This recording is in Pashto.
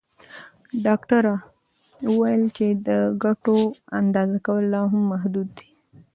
ډاکټره وویل چې د ګټو اندازه کول لا هم محدود دي.